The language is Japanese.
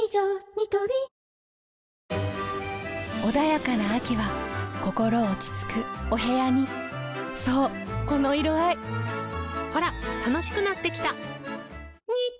ニトリ穏やかな秋は心落ち着くお部屋にそうこの色合いほら楽しくなってきた！